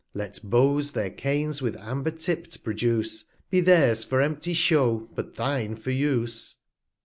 Let Beaus their Canes with Amber tipt produce, Be theirs for empty Show, but thine for Use.